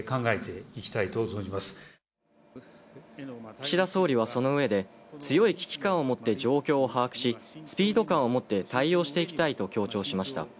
岸田総理はそのうえで強い危機感をもって状況を把握し、スピード感をもって対応していきたいと強調しました。